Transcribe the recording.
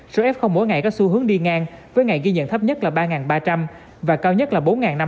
số f mỗi ngày có xu hướng đi ngang với ngày ghi nhận thấp nhất là ba ba trăm linh và cao nhất là bốn năm trăm